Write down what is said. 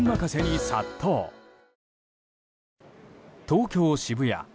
東京・渋谷。